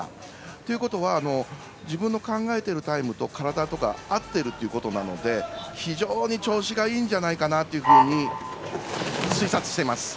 ということは自分の考えているタイムと体とか合っているということなので非常に調子がいいんじゃないかなというふうに推察しています。